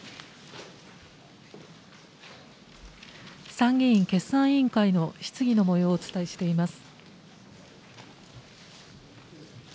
参議院決算委員会の質疑のもようをお伝えしています。